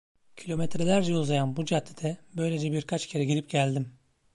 Kilometrelerce uzayan bu caddede böylece birkaç kere gidip geldim.